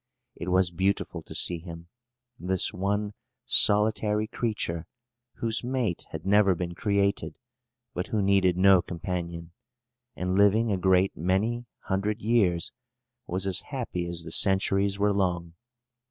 It was beautiful to see him, this one solitary creature, whose mate had never been created, but who needed no companion, and, living a great many hundred years, was as happy as the centuries were long.